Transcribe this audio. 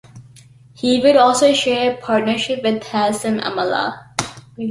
He would also share a partnership with Hashim Amla.